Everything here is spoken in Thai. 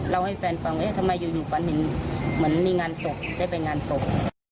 ให้แฟนฟังเอ๊ะทำไมอยู่ฝันเห็นเหมือนมีงานศพได้ไปงานศพ